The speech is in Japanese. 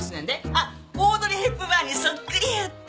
あっオードリー・ヘプバーンにそっくりやって。